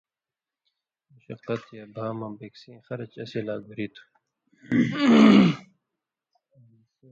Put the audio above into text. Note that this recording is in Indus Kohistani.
مُشقَت یا بھا مہ بِکسیں خرچ اسی لا گُھریۡ تھُو